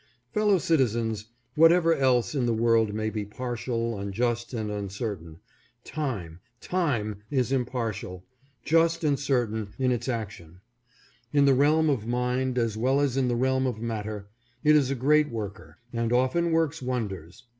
Fellow citizens, whatever else in the world may be partial, unjust and uncertain, time, time ! is impartial, just and certain in its action. In the realm of mind, as well as in the realm of matter, it is a great worker, and often works wonders.